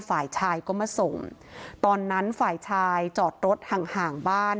ฝ่ายชายก็มาส่งตอนนั้นฝ่ายชายจอดรถห่างห่างบ้าน